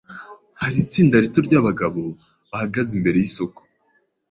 Hariho itsinda rito ryabagabo bahagaze imbere yisoko.